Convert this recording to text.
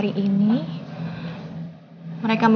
om ini siap